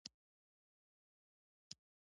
ملګری د ژوند سوله ده